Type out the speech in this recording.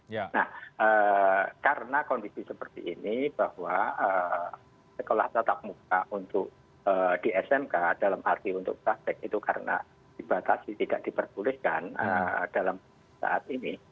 nah karena kondisi seperti ini bahwa sekolah tatap muka untuk di smk dalam arti untuk praktek itu karena dibatasi tidak diperbolehkan dalam saat ini